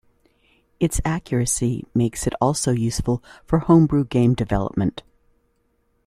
Its accuracy makes it also useful for homebrew game development.